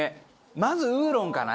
まずウーロンかな？